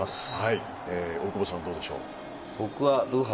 大久保さん、どうでしょう。